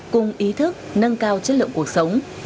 cùng ý thức nâng cao chất lượng cuộc sống